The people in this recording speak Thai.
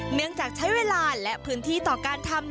เนื่องจากใช้เวลาและพื้นที่ต่อการทำ